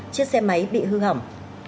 chiếc xe máy bị hư hỏng